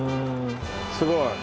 すごい。